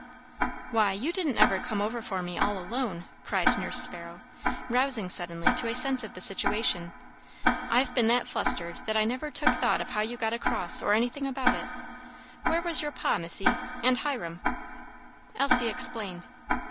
"Why, you didn't ever come over for me all alone!" cried Nurse Sparrow, rousing suddenly to a sense of the situation. "I've be'n that flustered that I never took thought of how you got across, or anything about it. Where was your Pa, Missy, and Hiram?" Elsie explained.